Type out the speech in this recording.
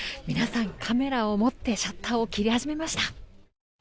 皆さん、カメラを持ってシャッターを切り始めました。